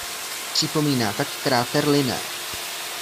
Připomíná tak kráter Linné.